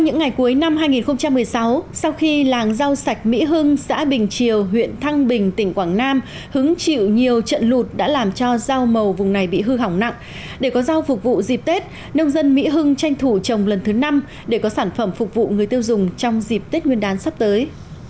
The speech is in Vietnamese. nông dân mỹ hưng tranh thủ trồng lần thứ năm để có sản phẩm phục vụ người tiêu dùng trong dịp tết nguyên đán sắp tới